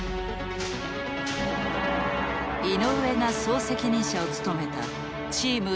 井上が総責任者を務めたチームＳ